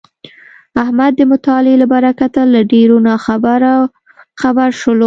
احمد د مطالعې له برکته له ډېرو ناخبرو خبر شولو.